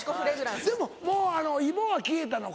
でももうイボは消えたのか？